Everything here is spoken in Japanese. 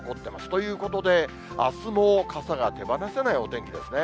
ということで、あすも傘が手放せないお天気ですね。